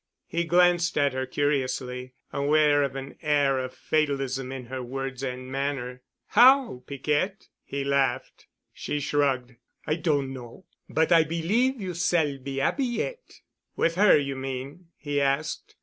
He glanced at her curiously, aware of an air of fatalism in her words and manner. "How, Piquette?" he laughed. She shrugged. "I doan know, but I believe you s'all be 'appy yet." "With her, you mean?" he asked.